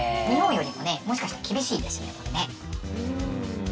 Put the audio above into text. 日本よりもねもしかしたら厳しいですよね。